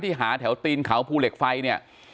หาแถวตีนเขาภูเหล็กไฟเนี่ย